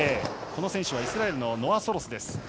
この選手はイスラエルのノア・ソロスです。